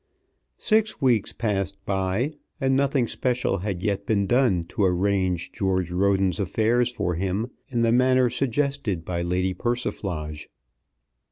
Six weeks passed by, and nothing special had yet been done to arrange George Roden's affairs for him in the manner suggested by Lady Persiflage.